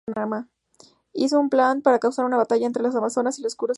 Hizo un plan para causar una batalla entre las Amazonas y el oscuro Eclipso.